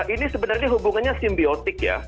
ini sebenarnya hubungannya simbiotik